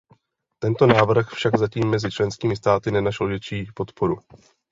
Tento návrh však zatím mezi členskými státy nenašel větší podporu.